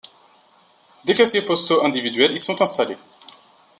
Des casiers postaux individuels y sont installés.